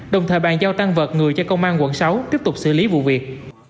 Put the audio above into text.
đồng thời bàn giao tăng vật người cho công an quận sáu tiếp tục xử lý vụ việc